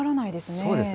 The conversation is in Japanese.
そうですね。